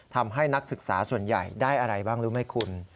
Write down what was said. นักศึกษาส่วนใหญ่ได้อะไรบ้างรู้ไหมคุณ